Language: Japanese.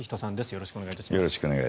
よろしくお願いします。